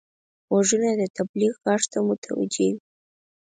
غوږونه د تبلیغ غږ ته متوجه وي